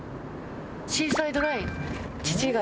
シーサイドライン。